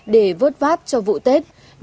để vớt vát các hộ dân bị thiệt hại